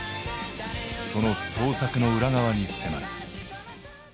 その創作の裏側に迫る。